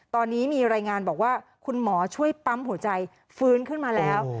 ตอนนี้มีรายงานบอกว่าคุณหมอช่วยปั๊มหัวใจฟื้นขึ้นมาแล้ว